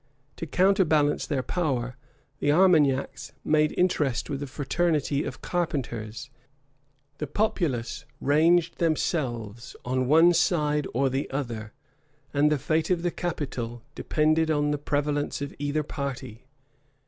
To counterbalance their power, the Armagnacs made interest with the fraternity of carpenters; the populace ranged themselves on one side or the other; and the fate of the capital depended on the prevalence of either party.